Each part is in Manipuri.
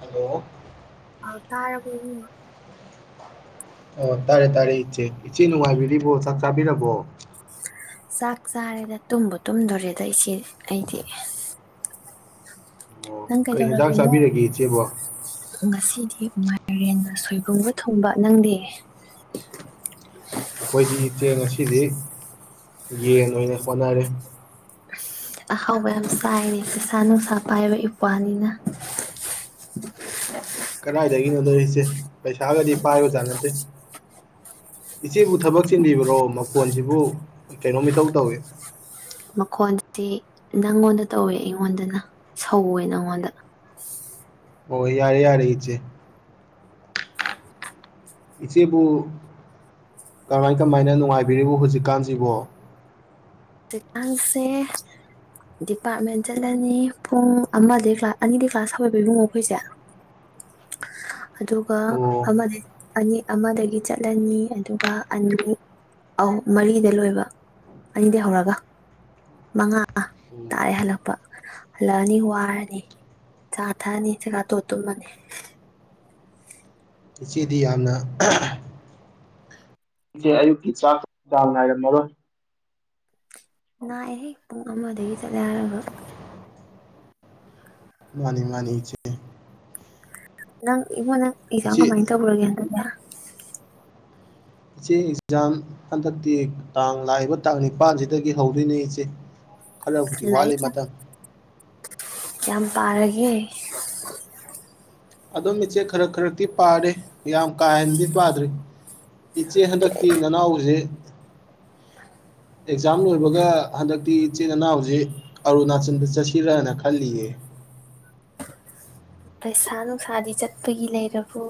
ꯍꯂꯣ ꯑ ꯇꯥꯔꯦ ꯑꯣꯏ ꯑꯣ ꯇꯥꯔꯦ ꯇꯥꯔꯦ ꯏꯆꯦ ꯏꯆꯦ ꯅꯨꯡꯉꯥꯏꯕꯤꯔꯤꯕꯣ ꯆꯥꯛ ꯆꯥꯕꯤꯔꯕꯣ ꯆꯥꯛ ꯆꯥꯔꯦꯗ ꯇꯨꯝꯕ ꯇꯨꯝꯗꯣꯔꯦꯗ ꯏꯆꯦ ꯑꯩꯗꯤ ꯑꯣ ꯅꯪ ꯀꯩ ꯍꯦꯟꯖꯥꯡ ꯀꯩꯗꯧꯔꯝꯃꯤꯅꯣ ꯆꯥꯕꯤꯔꯒꯦ ꯏꯆꯦꯕꯣ ꯉꯁꯤꯗꯤ ꯃꯥꯏꯔꯦꯟꯒ ꯁꯣꯏꯕꯨꯝꯕꯨ ꯊꯨꯡꯕ ꯅꯪꯗꯤ ꯑꯩꯈꯣꯏꯗꯤ ꯆꯦꯡ ꯑꯁꯤ ꯀꯗꯤ ꯌꯦꯟ ꯑꯣꯏꯅ ꯍꯣꯠꯅꯔꯦ ꯑꯍꯥꯎꯕ ꯌꯥꯝ ꯆꯥꯏꯔ ꯄꯩꯁꯥ ꯅꯨꯡꯁꯥ ꯄꯥꯏꯕ ꯏꯄ꯭ꯋꯥꯅꯤꯅ ꯀꯗꯥꯏꯗꯒꯤꯅꯣꯗꯣ ꯏꯆꯦ ꯄꯩꯁꯥꯒꯗꯤ ꯄꯥꯏꯕꯖꯥꯠ ꯅꯠꯇꯦ ꯏꯆꯦꯕꯨ ꯊꯕꯛ ꯆꯤꯟꯕꯤꯕ꯭ꯔꯣ ꯃꯈꯣꯟꯁꯤꯕꯨ ꯀꯩꯅꯣꯃꯤꯇꯧ ꯇꯧꯏꯤ ꯃꯈꯣꯟꯗꯤ ꯅꯪꯉꯣꯟꯗ ꯇꯧꯋꯦ ꯑꯩꯉꯣꯟꯗꯅ ꯁꯧꯋꯦ ꯅꯪꯉꯣꯟꯗ ꯑꯣ ꯌꯥꯔꯦ ꯌꯥꯔ ꯏꯆꯦ ꯏꯆꯦꯕꯨ ꯀꯃꯥꯏ ꯀꯃꯥꯏꯅ ꯅꯨꯡꯉꯥꯏꯕꯤꯔꯤꯕ ꯍꯧꯖꯤꯛꯀꯥꯟꯁꯤꯕꯣ ꯖꯤꯀꯥꯡꯁꯦ ꯗꯤꯄꯥꯔꯠꯃꯦꯟ ꯆꯠꯂꯅꯤ ꯄꯨꯡ ꯑꯃ ꯀ꯭ꯂ ꯑꯅꯤꯗꯤ ꯀ꯭ꯂꯥꯁ ꯍꯥꯄꯤꯕꯨꯡꯉꯣ ꯑꯩꯈꯣꯏꯁꯦ ꯑꯗꯨꯒ ꯑꯣ ꯑꯃꯗꯤ ꯑꯅꯤ ꯑꯃꯗꯒꯤ ꯆꯠꯂꯅꯤ ꯑꯗꯨꯒ ꯑ ꯑꯨꯝ ꯃꯔꯤꯗ ꯂꯣꯏꯕ ꯑꯅꯤꯗ ꯍꯧꯧꯔꯒ ꯃꯉꯥ ꯎꯝ, ꯇꯥꯔꯦ ꯍꯜꯂꯛꯄ ꯍꯜꯂꯛꯑꯅꯤ ꯋꯥꯔꯅꯤ ꯆꯥ ꯊꯛꯑꯅꯤ ꯆꯀꯥ ꯇꯣꯠ ꯇꯨꯝꯃꯅꯤ ꯏꯆꯦꯗꯤ ꯌꯥꯝꯅ ꯏꯦ ꯑꯌꯨꯛꯀꯤ ꯆꯥꯛꯗꯥꯡꯅꯥꯏꯔꯝꯃꯔꯣꯏ ꯅꯩꯏꯍꯦꯛ ꯄꯨꯡ ꯑꯃꯗꯒꯤ ꯆꯠꯂꯦ ꯍꯥꯏꯔꯒ ꯃꯥꯅꯤ ꯃꯥꯅꯤꯦ ꯅꯪ ꯏꯕꯨꯅꯟꯅꯨ ꯅꯪ ꯏꯖꯝ ꯏꯆꯦ ꯀꯃꯥꯏ ꯇꯧ ꯍꯟꯗꯛꯅꯦ ꯏꯆꯦ ꯑꯦꯛꯖꯥꯝ ꯍꯟꯗꯛꯇꯤ ꯇꯥꯡ ꯂꯥꯛꯏꯕ ꯇꯥꯡ ꯅꯤꯄꯥꯜꯁꯤꯗꯒꯤ ꯍꯧꯗꯣꯏꯅꯦ ꯏꯆꯦ ꯈꯂꯔꯕꯨꯗꯤ ꯂꯥꯏꯔꯤꯛ ꯀꯌꯥꯝ ꯋꯥꯦꯃꯇ ꯄꯔꯒꯦ ꯑꯗꯨꯝ ꯏꯆꯦ ꯈꯔ ꯈꯔꯛꯇꯤ ꯄꯥꯔꯦ ꯌꯥꯝ ꯀꯥꯍꯦꯟꯅꯗꯤ ꯄꯥꯗ꯭ꯔꯤ ꯏꯆꯦ ꯍꯟꯗꯛꯇꯤ ꯅꯅꯥꯎꯁꯦ ꯑꯦꯛꯖꯥꯝ ꯂꯣꯏꯕꯒ ꯍꯟꯗꯛꯇꯤ ꯏꯆꯦ ꯏꯅꯥꯎꯁ ꯑꯔꯨꯅꯥꯆꯜꯗ ꯆꯠꯁꯤꯔꯅ ꯈꯜꯂꯤꯌꯦ ꯄꯩꯁꯥ ꯅꯨꯡꯁꯥꯗꯤ ꯆꯠꯄꯒꯤ ꯂꯩꯔꯕ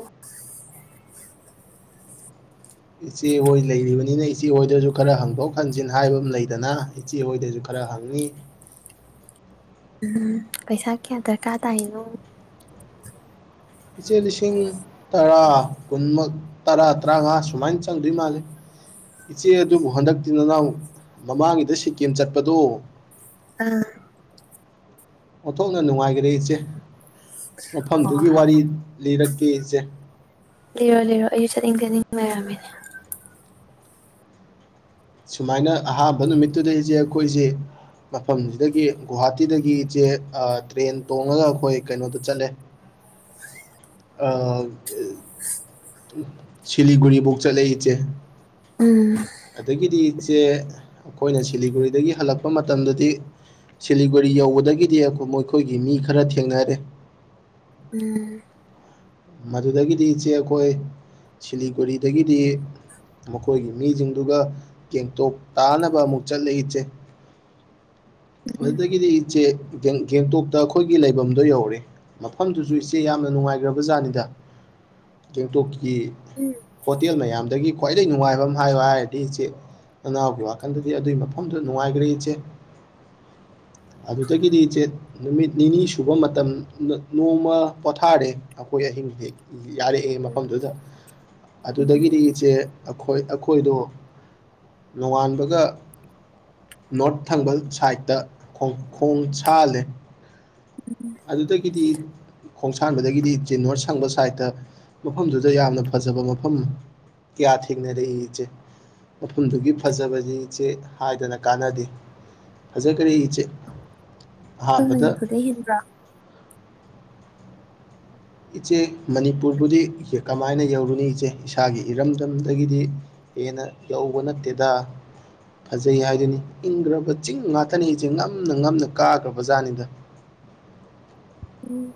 ꯏꯆꯦꯍꯣꯏ ꯂꯩꯔꯤꯕꯅꯤꯅ ꯏꯆꯦꯍꯣꯏꯗꯁꯨ ꯈꯔ ꯍꯪꯐꯣꯛ ꯈꯪꯖꯤꯟ ꯍꯥꯏꯕ ꯑꯃ ꯂꯩꯗꯅ ꯏꯆꯦꯍꯣꯏꯗꯁꯨ ꯈꯔ ꯍꯪꯉꯤ ꯎꯝ ꯄꯩꯁꯥ ꯀꯌꯥ ꯗꯔꯀꯥꯔ ꯇ ꯍꯥꯏꯅꯣ ꯏꯆꯦ ꯂꯤꯁꯤꯡ ꯇꯔꯥ ꯀꯨꯟꯃꯛ ꯇꯔꯥ ꯇꯔꯥꯃꯉꯥ ꯁꯨꯃꯥꯏꯅ ꯆꯪꯗꯣꯏ ꯃꯥꯜꯂꯤꯦ ꯏꯆꯦ ꯑꯗꯨꯕꯨ ꯍꯟꯗꯛꯇꯤꯟ ꯅꯅꯥꯎ ꯃꯃꯥꯡꯒꯤꯗ ꯁꯤꯛꯀꯤꯝ ꯆꯠꯄꯗꯣ ꯑꯥꯝ ꯑꯣꯟꯊꯣꯛꯅ ꯅꯨꯡꯉꯥꯏꯈꯔꯦ ꯏꯆꯦ ꯃꯐꯝꯗꯨꯒꯤ ꯑꯣ ꯋꯥꯔꯤ ꯂꯤꯔꯛ ꯄꯤꯖ ꯂꯤꯔꯣ ꯂꯤꯔꯣ ꯑꯩꯁꯨ ꯆꯠꯅꯤꯡ ꯆꯠꯅꯤꯡ ꯂꯩꯔꯝꯃꯤꯅꯦ ꯁꯨꯃꯥꯏꯅ ꯑꯍꯥꯟꯕ ꯅꯨꯃꯤꯠꯇꯨꯗ ꯏꯆꯦ ꯑꯩꯈꯣꯏꯁꯦ ꯃꯐꯝꯁꯤꯗꯒꯤ ꯒꯨꯍꯥꯇꯤꯗꯒꯤ ꯏꯆꯦ ꯇ꯭ꯔꯦꯟ ꯇꯣꯡꯉꯒ ꯑꯩꯈꯣꯏ ꯀꯩꯅꯣꯗ ꯆꯠꯂꯦ ꯁꯤꯂꯤꯒꯨꯔꯤꯐꯧ ꯆꯠꯂꯦ ꯏꯆꯦ ꯎꯝ ꯑꯗꯒꯤꯗꯤ ꯆꯦ ꯑꯩꯈꯣꯏꯅ ꯁꯤꯂꯤꯒꯨꯔꯤꯗꯒꯤ ꯍꯜꯂꯛꯄ ꯃꯇꯝꯗꯗꯤ ꯁꯤꯂꯤꯒꯨꯔꯤ ꯌꯧꯕꯗꯒꯤꯗꯤ ꯃꯈꯣꯏꯒꯤ ꯃꯤ ꯈꯔ ꯊꯦꯡꯅꯔꯦ ꯎꯝ ꯃꯗꯨꯗꯒꯤꯗꯤ ꯏꯆꯦ ꯑꯩꯈꯣꯏ ꯁꯤꯂꯤꯒꯨꯔꯤꯗꯒꯤꯗꯤ ꯃꯈꯣꯏꯒꯤ ꯃꯤꯁꯤꯡꯗꯨꯒ ꯇꯦꯡꯇꯣꯛ ꯇꯥꯅꯕ ꯑꯃꯨꯛ ꯆꯠꯂꯦ ꯏꯆꯦ ꯎꯝ ꯃꯗꯨꯗꯒꯤꯗꯤ ꯏꯆꯦ ꯒꯦꯡꯇꯣꯛꯇ ꯑꯩꯈꯣꯏꯒꯤ ꯂꯩꯐꯝꯗꯣ ꯌꯧꯔꯦ ꯃꯐꯝꯗꯨꯁꯨ ꯏꯆꯦ ꯌꯥꯝꯅ ꯅꯨꯡꯉꯥꯏꯒ꯭ꯔꯕꯖꯥꯠꯅꯤ ꯗ ꯒꯦꯡꯇꯣꯛꯀꯤ ꯎꯝ ꯍꯣꯇꯦꯜ ꯃꯌꯥꯝꯗꯒꯤ ꯈ꯭ꯋꯥꯏꯗꯒꯤ ꯅꯨꯡꯉꯥꯏꯕ ꯑꯃ ꯍꯥꯏꯌꯣ ꯍꯥꯏꯔꯗꯤ ꯏꯆꯦ ꯅꯅꯥꯎꯒꯤ ꯋꯥꯈꯜꯗꯗꯤ ꯑꯗꯨꯒꯤ ꯃꯐꯝꯗꯨꯗ ꯅꯨꯡꯉꯥꯏꯈ꯭ꯔꯦ ꯏꯆꯦ ꯑꯗꯨꯗꯒꯤꯗꯤ ꯏꯆꯦ ꯅꯨꯃꯤꯠ ꯅꯤꯅꯤ ꯁꯨꯕ ꯃꯇꯝ ꯅꯣꯡꯃ ꯄꯣꯊꯥꯔꯦ [unintelligible] ꯌꯥꯔꯛꯑꯦ ꯃꯐꯝꯗꯨꯗ ꯎꯝ ꯑꯩꯈꯣꯏ ꯑꯗꯨꯗꯒꯤꯗꯤ ꯏꯆꯦ ꯑꯈꯣꯏ ꯑꯈꯣꯏꯗꯣ ꯅꯣꯡꯉꯥꯟꯕꯒ ꯅꯣꯔꯠ ꯊꯪꯕ ꯁꯥꯏꯠꯇ ꯈꯣꯡ ꯁꯥꯜꯂꯦ ꯑꯗꯨꯗꯒꯤꯗꯤ ꯈꯣꯡ ꯁꯥꯟꯕꯗꯒꯤꯗꯤ ꯏꯆꯦ ꯅꯣꯔꯠ ꯁꯪꯕ ꯁꯥꯏꯠꯇ ꯃꯐꯝꯗꯨꯗ ꯌꯥꯝꯅ ꯐꯖꯕ ꯃꯐꯝ ꯀꯌꯥ ꯊꯦꯡꯅꯔꯛꯏ ꯏꯆꯦ ꯃꯐꯝꯗꯨꯒꯤ ꯐꯖꯕꯗꯤ ꯏꯆꯦ ꯍꯥꯏꯗꯅ ꯀꯥꯟꯅꯗꯦ ꯐꯖꯈ꯭ꯔꯦ ꯏꯆꯦ ꯑꯈꯣꯏ ꯑꯍꯥꯟꯕꯗ ꯃꯅꯤꯄꯗꯩ ꯍꯦꯟꯕ꯭ꯔꯣ ꯏꯆꯦ ꯃꯅꯤꯄꯨꯔꯕꯨꯗꯤ ꯀꯃꯥꯏꯅ ꯌꯧꯔꯨꯅꯤ ꯏꯆꯦ ꯏꯁꯥꯒꯤ ꯏꯔꯝꯗꯝꯗꯒꯤꯗꯤ ꯍꯦꯟꯅ ꯌꯧꯕ ꯅꯠꯇꯦꯗ ꯐꯖꯩ ꯍꯥꯏꯗꯨꯅꯤ ꯏꯪꯈ꯭ꯔꯕ ꯆꯤꯡ ꯉꯥꯛꯇꯅꯤ ꯏꯆꯦ ꯉꯝꯅ ꯉꯝꯅ ꯀꯥꯈ꯭ꯔꯕ ꯖꯥꯠꯅꯤꯗ ꯎꯝ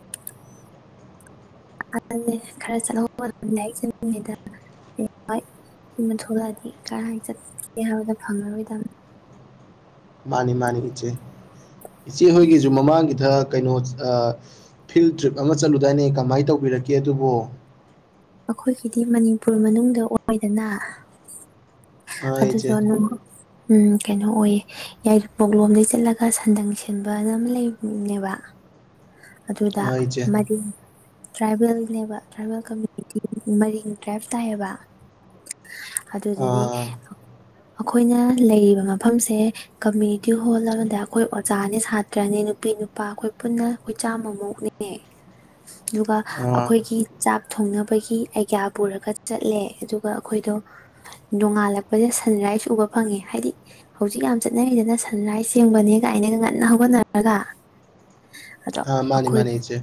[unintelligible] ꯈꯔ ꯆꯠꯍꯧꯕ ꯃꯇꯝ ꯂꯥꯏꯔꯤꯛ ꯆꯠꯃꯤꯉꯩꯗ ꯊꯣꯛꯂꯛꯑꯗꯤ ꯀꯗꯥꯥꯏ ꯆꯠꯀꯦ ꯍꯥꯏꯕꯗꯣ ꯐꯪꯉꯔꯣꯏꯗꯕꯅꯤ ꯃꯥꯅꯤ ꯃꯥꯅꯤ ꯏꯆꯦ ꯏꯆꯦꯍꯣꯏꯒꯤꯁꯨ ꯃꯃꯥꯡꯒꯤꯗ ꯀꯩꯅꯣ ꯐꯤꯜ ꯇ꯭ꯔꯤꯞ ꯑꯃ ꯆꯠꯂꯨꯗꯥꯏꯅꯦ ꯀꯃꯥꯏꯅ ꯇꯧꯕꯤꯔꯛꯀꯦ ꯑꯗꯨꯕꯨ ꯑꯈꯣꯏꯒꯤꯗꯤ ꯃꯅꯤꯄꯨꯔ ꯃꯅꯨꯡꯗ ꯑꯣꯏꯗꯅ ꯑ ꯑꯗꯨꯗꯣ ꯏꯆꯦ ꯎꯝ ꯀꯩꯅꯣ ꯑꯣꯏꯌꯦ ꯌꯥꯏꯔꯤꯄꯣꯛꯂꯣꯝꯗꯒꯤ ꯆꯠꯂꯒ ꯁꯟꯗꯪ ꯁꯤꯟꯕꯅ ꯑꯃ ꯂꯩꯕꯅꯦꯕ ꯑꯗꯨꯗ ꯑ ꯏꯆꯦ ꯃꯔꯤ ꯇ꯭ꯔꯥꯏꯕꯦꯜꯅꯦꯕ ꯇ꯭ꯔꯥꯏꯕꯦꯜ ꯀꯃꯨ ꯃꯔꯤꯡ ꯗ꯭ꯔꯥꯏꯞ ꯇꯥꯏꯌꯦꯕ ꯑꯗꯨꯗꯗꯤ ꯑ ꯑꯈꯣꯏꯅ ꯂꯩꯔꯤꯕ ꯃꯐꯝꯁꯦ ꯀꯃ꯭ꯌꯨꯅꯤꯇꯤ ꯍꯣꯜ ꯑꯃꯗ ꯑꯩꯈꯣꯏ ꯑꯣꯖꯥꯅꯤ ꯁꯥꯇ꯭ꯔꯅꯦ ꯅꯨꯄꯤ ꯅꯨꯄꯥ ꯑꯩꯈꯣꯏ ꯄꯨꯟꯅ ꯑꯩꯈꯣꯏ ꯆꯥꯝꯃꯃꯨꯛꯅꯦ ꯑꯗꯨꯒ ꯑ ꯑꯈꯣꯏꯒꯤ ꯆꯥꯛ ꯊꯣꯡꯅꯕ ꯒꯤ ꯑꯩꯒ꯭ꯌꯥ ꯄꯨꯔꯒ ꯆꯠꯂꯦ ꯑꯗꯨꯒ ꯑꯩꯈꯣꯏꯗꯣ ꯅꯣꯡꯉꯥꯜꯂꯛꯄꯁꯦ ꯁꯟꯔꯥꯏꯁ ꯎꯕ ꯐꯪꯉꯦ ꯍꯥꯏꯗꯤ ꯍꯧꯖꯤꯛ ꯌꯥꯝ ꯆꯠꯅꯔꯤꯗꯅ ꯁꯟ ꯔꯥꯏꯁ ꯌꯦꯡꯕꯅꯦꯒꯥꯏꯅꯒ ꯉꯟꯅ ꯍꯧꯒꯠꯅꯔꯒ ꯑ ꯃꯥꯅꯤ ꯃꯥꯅꯤ ꯏꯆꯦ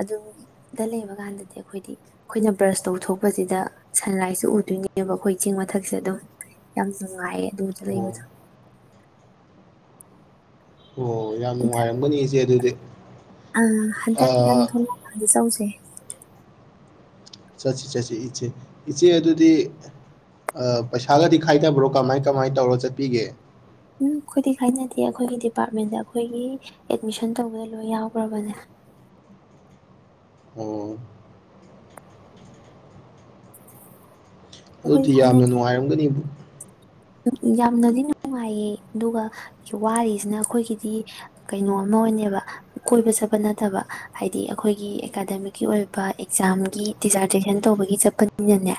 ꯑꯗꯨ ꯗ ꯂꯩꯕ ꯀꯥꯟꯗꯗꯤ ꯑꯩꯈꯣꯏꯗꯤ ꯑꯩꯈꯣꯏꯅ ꯕ꯭ꯔꯁ ꯇꯧꯊꯣꯛꯄꯁꯤꯗ ꯁꯟꯂꯥꯏꯠꯁꯨ ꯎꯗꯣꯏꯅꯦꯕ ꯑꯩꯈꯣꯏ ꯆꯤꯡ ꯃꯊꯛꯁꯦ ꯑꯗꯨꯝ ꯌꯥꯝ ꯅꯨꯡꯉꯥꯏꯌꯦ ꯑꯣ [unintelligible] ꯑꯣ ꯌꯥꯝ ꯅꯨꯡꯉꯥꯏꯔꯝꯒꯅꯤ ꯏꯆꯦ ꯑꯗꯨꯗꯤ ꯑ ꯑ ꯍꯟꯗꯛ ꯅꯪ ꯊꯣꯂꯛꯗꯤ ꯆꯠꯂꯨꯁꯦ [inaudible] ꯆꯠꯁꯤ ꯆꯠꯁꯤ ꯏꯆꯦ ꯏꯆꯦ ꯑꯗꯨꯗꯤ ꯄꯩꯁꯥꯒꯗꯤ ꯈꯥꯏꯗꯕ꯭ꯔꯣ ꯀꯃꯥꯏ ꯀꯃꯥꯏ ꯇꯧꯔ ꯆꯠꯄꯤꯒꯦ ꯎꯝ ꯑꯩꯈꯣꯏꯗꯤ ꯈꯦꯏꯅꯗꯦ ꯑꯩꯈꯣꯏꯒꯤ ꯗꯤꯄꯥꯔꯠꯃꯦꯟꯗ ꯑꯩꯈꯣꯏꯒꯤ ꯑꯦꯠꯃꯤꯁꯟ ꯇꯧꯕꯗ ꯂꯣꯏ ꯌꯥꯎꯈ꯭ꯔꯕꯅꯦ ꯑꯣ ꯑꯩꯈꯣꯏ ꯑꯗꯨꯗꯤ ꯈꯥꯏꯅ ꯌꯥꯝꯅ ꯅꯨꯡꯉꯥꯏꯔꯝꯒꯅꯤ ꯌꯥꯝꯅꯗꯤ ꯅꯨꯡꯉꯥꯏꯌꯦ ꯑꯗꯨꯒ ꯋꯥꯔꯤꯁꯤꯅ ꯑꯩꯈꯣꯏꯒꯤꯗꯤ ꯀꯩꯅꯣ ꯑꯃ ꯑꯣꯏꯅꯕ ꯀꯣꯏꯕ ꯆꯠꯄ ꯅꯠꯇꯕ ꯍꯥꯏꯗꯤ ꯑꯩꯈꯣꯏꯒꯤ ꯑꯦꯀꯥꯗꯃꯤꯛꯀꯤ ꯑꯣꯏꯕ ꯑꯦꯛꯖꯥꯝꯒꯤ ꯗꯤꯖꯥꯔꯇꯦꯁꯟ ꯇꯧꯕꯒꯤ ꯆꯠꯄꯅꯤꯅꯅꯦ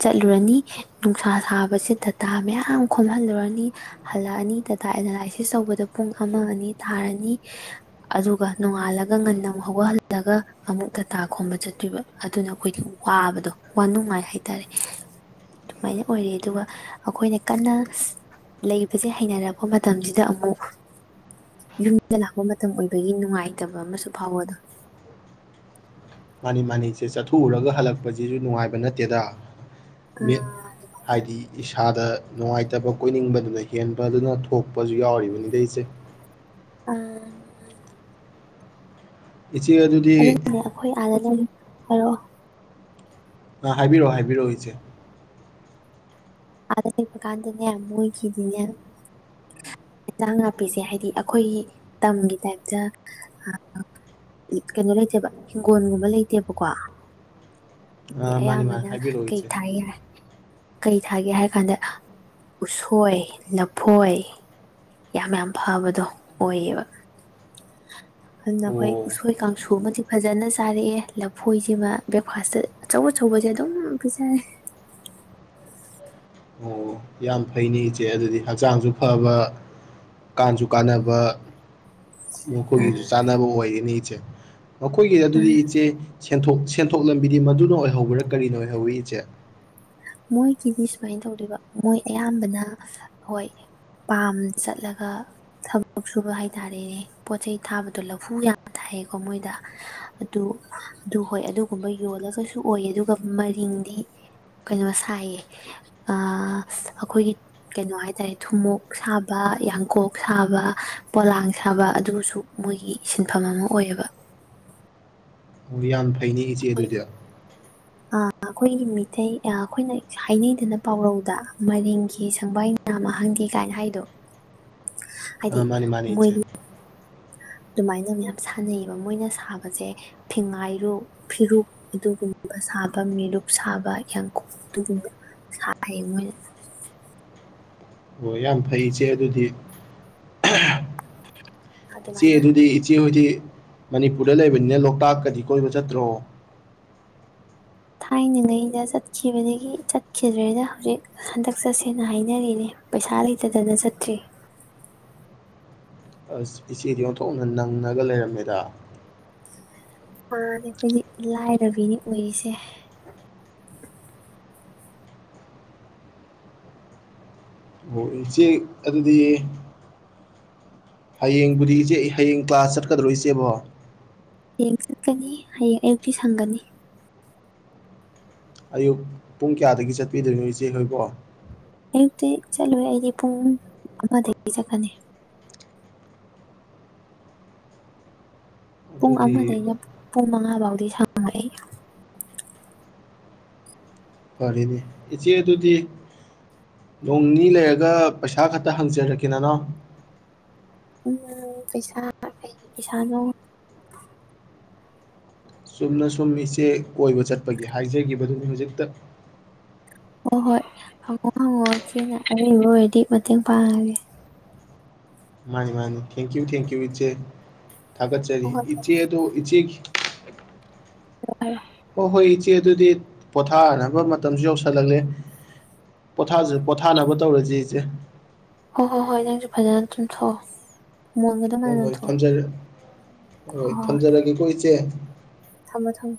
ꯆꯠꯂꯨꯔꯅꯤ ꯅꯨꯡꯁꯥ ꯁꯥꯕꯁꯤ ꯗꯇꯥ ꯃꯌꯥꯝ ꯈꯣꯝꯍꯜꯂꯨꯔꯅꯤ ꯍꯜꯂꯛꯑꯅꯤ ꯗꯇꯥ ꯑꯦꯅꯥꯂꯥꯏꯁꯤꯁ ꯇꯧꯕꯗ ꯄꯨꯡ ꯑꯃ ꯑꯅꯤ ꯇꯥꯔꯅꯤ ꯑꯗꯨꯒ ꯅꯣꯡꯉꯥꯜꯂꯒ ꯉꯟꯅ ꯑꯃ ꯍꯧꯒꯠꯍꯜꯂꯒ ꯑꯃꯨꯛ ꯗꯇꯥ ꯈꯣꯝꯕ ꯆꯠꯇꯣꯏꯕ ꯑꯗꯨꯅ ꯑꯩꯈꯣꯏꯒꯤ ꯋꯥꯕꯗꯣ ꯋꯥꯅꯨꯡꯉꯥꯏ ꯍꯥꯏꯇꯥꯔꯦ ꯑꯗꯨꯃꯥꯏꯅ ꯑꯣꯏꯔꯦ ꯑꯗꯨꯒ ꯑꯩꯈꯣꯏꯅ ꯀꯟꯅ ꯂꯩꯕꯁꯦ ꯍꯩꯅꯔꯛꯄ ꯃꯇꯝꯁꯤꯗ ꯑꯃꯨꯛ ꯌꯨꯝꯗ ꯂꯥꯛꯄ ꯃꯇꯝ ꯑꯣꯏꯕꯒꯤ ꯅꯨꯡꯉꯥꯏꯇꯕ ꯑꯃꯁꯨ ꯐꯥꯎꯕꯗꯣ ꯃꯥꯅꯤ ꯃꯥꯅꯤ ꯏꯆꯦ ꯆꯠꯊꯣꯛꯎꯔꯒ ꯍꯜꯂꯛꯄꯁꯤꯁꯨ ꯅꯨꯡꯉꯥꯏꯕ ꯅꯠꯇꯦꯗ ꯃꯤꯠ ꯍꯥꯏꯗꯤ ꯏꯁꯥꯗ ꯅꯨꯡꯉꯥꯏꯇꯕ ꯀꯣꯏꯅꯤꯡꯕꯗꯨꯅ ꯍꯦꯟꯕꯗꯨꯅ ꯊꯣꯛꯄꯁꯨ ꯌꯥꯎꯔꯤꯕꯅꯤꯗ ꯏꯆꯦ ꯑ ꯏꯆꯦ ꯑꯗꯨꯗꯤ ꯍꯣ ꯑ ꯍꯥꯏꯕꯤꯔꯛꯑꯣ ꯍꯥꯏꯕꯤꯔꯛꯑꯣ ꯏꯆꯦ ꯑꯥꯗ ꯂꯩꯕ ꯀꯥꯟꯗꯅꯦ ꯃꯣꯏꯒꯤꯗꯤꯅꯦ ꯏꯟꯖꯥꯡ ꯅꯥꯄꯤꯁꯦ ꯍꯥꯏꯗꯤ ꯑꯩꯈꯣꯏꯒꯤ ꯇꯝꯒꯤ ꯇꯥꯏꯞꯇ ꯀꯩꯅꯣ ꯂꯩꯇꯦꯕ ꯍꯤꯡꯒꯣꯜꯒꯨꯝꯕ ꯂꯩꯇꯦꯕꯀꯣ ꯑ ꯃꯥꯅꯤ ꯃꯥꯅꯤ ꯑꯌꯥꯝꯕꯅ ꯍꯥꯏꯕꯤꯔꯛꯑꯣ ꯀꯩ ꯏꯆꯦ ꯊꯥꯏ ꯌꯥꯏ ꯀꯩ ꯊꯥꯒꯦ ꯍꯥꯏꯔ ꯀꯥꯟꯗ ꯎꯁꯣꯏ ꯂꯐꯣꯏ ꯌꯥꯝ ꯌꯥꯝ ꯐꯕꯗꯣ ꯑꯣꯏꯌꯦꯕ ꯑꯗꯨꯅ ꯑꯩꯈꯣꯏ ꯑꯣ ꯎꯁꯣꯏ ꯀꯥꯡꯁꯨ ꯑꯃꯗꯤ ꯐꯖꯅ ꯆꯥꯔꯛꯑꯦ ꯂꯐꯣꯏꯁꯤꯃ ꯕ꯭ꯔꯦꯛꯐꯥꯁꯇ ꯑꯆꯧ ꯑꯆꯧꯕꯁꯦ ꯑꯗꯨꯝ ꯄꯤꯖꯔꯦ ꯑꯣ ꯌꯥꯝ ꯐꯩꯅꯤ ꯏꯆꯦ ꯑꯗꯨꯗꯤ ꯍꯛꯆꯥꯡꯁꯨ ꯐꯕ ꯀꯥꯟꯁꯨ ꯀꯥꯟꯅꯕ ꯃꯈꯣꯏꯒꯤꯁꯨ ꯆꯥꯅꯕ ꯑꯣꯏꯒꯅꯤ ꯏꯆꯦ ꯃꯈꯣꯏꯒꯤ ꯑꯗꯨꯗꯤ ꯏꯆꯦ ꯁꯦꯟꯊꯣꯛ ꯂꯝꯕꯤꯗꯤ ꯃꯗꯨꯅ ꯑꯣꯏꯍꯧꯕ꯭ꯔꯥ ꯀꯔꯤꯅꯣ ꯑꯣꯏꯍꯧꯋꯤ ꯏꯆꯦ ꯃꯣꯏꯒꯤꯗꯤ ꯁꯨꯃꯥꯏꯅ ꯇꯧꯗꯣꯏꯕ ꯃꯣꯏ ꯑꯌꯥꯝꯕꯅ ꯍꯣꯏ ꯄꯥꯝ ꯆꯠꯂꯒ ꯊꯕꯛ ꯁꯨꯕ ꯍꯥꯏꯇꯥꯔꯦꯅꯦ ꯄꯣꯠ ꯆꯩꯩ ꯊꯥꯕꯗꯣ ꯂꯐꯨ ꯌꯥꯝ ꯊꯥꯏꯌꯦꯀꯣ ꯃꯣꯏꯗ ꯑꯗꯨ ꯑꯗꯨ ꯍꯣꯏ ꯑꯗꯨꯒꯨꯝꯕ ꯌꯣꯜꯂꯒꯁꯨ ꯑꯣꯏꯌꯦ ꯑꯗꯨꯒ ꯃꯔꯤꯡꯗꯤ ꯀꯩꯅꯣ ꯁꯥꯏꯌꯦ ꯑꯩꯈꯣꯏꯒꯤ ꯀꯩꯅꯣ ꯍꯥꯏꯇꯥꯔꯦ ꯊꯨꯝꯃꯣꯛ ꯁꯥꯕ ꯌꯥꯡꯀꯣꯛ ꯁꯥꯕ ꯄꯣꯂꯥꯡ ꯁꯥꯕ ꯑꯗꯨꯁꯨ ꯃꯣꯏꯒꯤ ꯁꯤꯟꯐꯝ ꯑꯃ ꯑꯣꯏꯑꯕ ꯎ ꯌꯥꯝ ꯐꯩꯅꯤ ꯆꯦꯗꯨꯖ ꯑꯩꯈꯣꯏꯒꯤ ꯃꯤꯇꯩ ꯑꯩꯈꯣꯏꯅ ꯍꯥꯏꯅꯩꯗꯅ ꯄꯥꯎꯔꯧꯗ ꯃꯔꯤꯡꯒꯤ ꯁꯪꯕꯥꯏ ꯃꯃ ꯍꯪꯗꯦ ꯀꯥꯏꯅ ꯍꯥꯏꯗꯣ ꯍꯥꯏꯗꯤ ꯑ ꯃꯥꯅꯤ ꯃꯥꯅꯤ ꯃꯣꯏ ꯏꯆꯦ ꯑꯗꯨꯃꯥꯏꯅ ꯃꯌꯥꯝ ꯁꯥꯥꯟꯅꯩꯌꯦꯕ ꯃꯣꯏꯅ ꯁꯥꯕꯁꯦ ꯐꯤꯉꯥꯏꯔꯨ ꯐꯤꯔꯨꯛ ꯑꯗꯨꯒꯨꯝꯕ ꯁꯥꯕ ꯃꯤꯔꯨꯛ ꯁꯥꯕ ꯌꯥꯡꯀꯨꯞ ꯑꯗꯨꯒꯨꯝꯕ ꯁꯥꯏꯌꯦ ꯃꯣꯏꯅ ꯑꯣ ꯌꯥꯝ ꯐꯩꯆꯦ ꯑꯗꯨꯗꯤ ꯏꯆꯦ ꯑꯗꯨꯃꯥꯏꯅ ꯑꯗꯨꯗꯤ ꯏꯆꯦ ꯍꯧꯣꯏꯗꯤ ꯃꯅꯤꯄꯨꯔꯗ ꯂꯩꯕꯅꯤꯅ ꯂꯣꯛꯇꯥꯛꯀꯗꯤ ꯀꯣꯏꯕ ꯆꯠꯇ꯭ꯔꯣ ꯊꯥꯏꯅꯉꯩꯗ ꯆꯠꯈꯤꯕꯗꯒꯤ ꯆꯠꯈꯤꯗ꯭ꯔꯦꯅ ꯍꯧꯖꯤꯛ ꯍꯟꯗꯛ ꯆꯠꯁꯦꯅ ꯍꯥꯏꯅꯔꯤꯅꯦ ꯄꯩꯁꯥ ꯂꯩꯇꯗꯅ ꯆꯠꯇ꯭ꯔꯤ ꯑꯁ ꯏꯆꯦꯗꯤ ꯌꯟꯊꯣꯛꯅ ꯅꯪꯉꯒ ꯂꯩꯔꯝꯃꯦꯗ ꯃꯥꯅꯦ ꯑꯩꯈꯣꯏꯗꯤ ꯂꯥꯏꯔꯕꯤꯅꯤ ꯑꯣꯏꯔꯤꯁꯦ ꯑꯣ ꯏꯆꯦ ꯑꯗꯨꯗꯤ ꯍꯌꯦꯡꯕꯨꯗꯤ ꯏꯆꯦ ꯍꯌꯦꯡ ꯀ꯭ꯂꯥꯁ ꯆꯠꯀꯗ꯭ꯔꯣ ꯏꯆꯦꯕꯣ ꯎꯝ ꯆꯠꯀꯅꯤ ꯍꯌꯦꯡ ꯑꯌꯨꯛꯇꯤ ꯁꯪꯒꯅꯤ ꯑꯌꯨꯛ ꯄꯨꯡ ꯀꯌꯥꯗꯒꯤ ꯆꯠꯄꯤꯗꯣꯏꯅꯣ ꯏꯆꯦ ꯅꯣꯏꯕꯣ ꯌꯨꯛꯇꯤ ꯆꯠꯂꯣꯏ ꯑꯩꯗꯤ ꯄꯨꯡ ꯑꯃꯗꯒꯤ ꯆꯠꯀꯅꯤ ꯄꯨꯡ ꯑꯗꯨꯗꯤ ꯑꯃꯗꯒꯩꯅ ꯄꯨꯡ ꯃꯉꯥ ꯕꯥꯎꯗ ꯁꯄꯔꯥꯏ ꯐꯔꯦꯅꯦ ꯏꯆꯦ ꯑꯗꯨꯗꯤ ꯅꯣꯡꯅꯤꯅꯤ ꯂꯩꯔꯒ ꯄꯩꯁꯥ ꯈꯛꯇ ꯍꯪꯖꯔꯛꯀꯦ ꯅꯅꯣꯎ ꯎꯝ ꯄꯩꯁꯥ ꯀꯩꯒꯤ ꯄꯩꯁꯥꯅꯣ ꯆꯨꯝꯅ ꯁꯨꯝ ꯏꯆꯦ ꯀꯣꯏꯕ ꯆꯠꯄꯒꯤ ꯍꯥꯏꯖꯒꯤꯕꯗꯨꯅꯤ ꯍꯧꯖꯤꯛꯇ ꯍꯣꯏ ꯍꯣꯏ ꯍꯪꯉꯣ ꯍꯪꯉꯣ ꯏꯆꯦꯅ ꯑꯔꯩꯕ ꯑꯣꯏꯔꯗꯤ ꯃꯇꯦꯡ ꯄꯥꯡꯉꯒꯦ ꯃꯥꯅꯤ ꯃꯥꯅꯤ ꯊꯦꯡꯀ꯭ꯌꯨ ꯊꯦꯡꯀ꯭ꯌꯨ ꯏꯆꯦ ꯊꯥꯒꯠꯆꯔꯤ ꯍꯣꯏ ꯍꯣꯏ ꯐꯔꯦ ꯏꯆꯦ ꯑꯗꯣ ꯏꯆꯦꯈꯤ ꯐꯔꯦ [inaudible] ꯍꯣ ꯍꯣꯏ ꯏꯆꯦ ꯏꯆꯦ ꯑꯗꯨꯗꯤ ꯄꯣꯊꯥꯅꯕ ꯃꯇꯝꯁꯨ ꯌꯧꯁꯜꯂꯛꯂꯦ ꯄꯣꯊꯥꯖ ꯄꯣꯊꯥꯅꯕ ꯇꯧꯔꯥ ꯖꯤ ꯏꯆꯦ ꯍꯣꯏ ꯍꯣꯏ ꯍꯣꯏ ꯅꯪꯁꯨ ꯐꯖꯅ ꯇꯨꯝꯊꯣꯛ ꯑꯣ ꯍꯣ ꯍꯣꯏ ꯊꯝꯖꯔꯦ ꯍꯣ ꯍꯣꯏ ꯊꯝꯖꯔꯒꯦꯀꯣ ꯏꯆꯦ ꯆꯦ ꯊꯝꯃꯣ ꯊꯝꯃꯣ